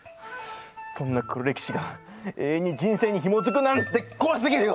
そんな黒歴史が永遠に人生にひもづくなんて怖すぎるよ！